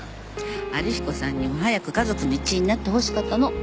春彦さんにも早く家族の一員になってほしかったの。